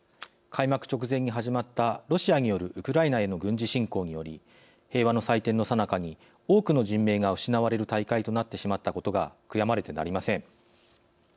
開幕直前に始まったロシアによるウクライナへの軍事侵攻により平和の祭典の最中に多くの人命が失われる大会となってしまったことが悔やまれてなりません。